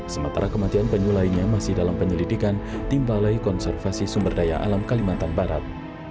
sementara kematian penyuh lainnya masih dalam penyelidikan di balai konservasi sumberdaya alam kalimantan barat